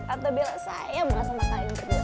atau bela saya mau sama kalian berdua